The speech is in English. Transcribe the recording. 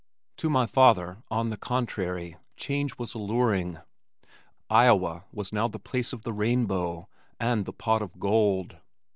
To my father, on the contrary, change was alluring. Iowa was now the place of the rainbow, and the pot of gold.